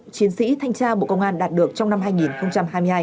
chiến sĩ thanh tra bộ công an đạt được trong năm hai nghìn hai mươi hai